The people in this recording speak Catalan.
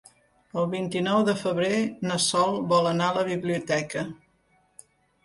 El vint-i-nou de febrer na Sol vol anar a la biblioteca.